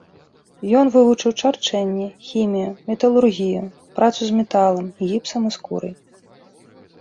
Ён вывучыў чарчэнне, хімію, металургію, працу з металам, гіпсам і скурай.